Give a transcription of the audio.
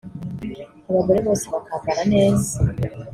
abagore bose bakambara neza